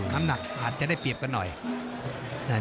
น้ำหนักอาจจะได้เปรียบกันหน่อย